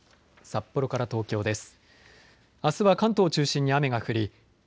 札幌から東京です。